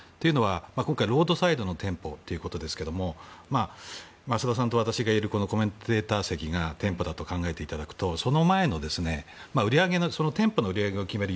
今回、ロードサイドの店舗ということですが増田さんと私がいるこのコメンテーター席が店舗だと考えると店舗の売り上げを決める